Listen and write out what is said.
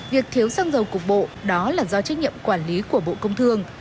việc thiếu xăng dầu cục bộ đó là do trách nhiệm quản lý của bộ công thương